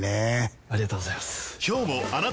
ありがとうございます！